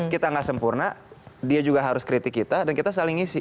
kita nggak sempurna dia juga harus kritik kita dan kita saling ngisi